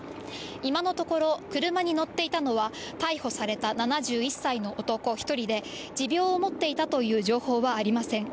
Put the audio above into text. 今のところ、車に乗っていたのは、逮捕された７１歳の男１人で、持病を持っていたという情報はありません。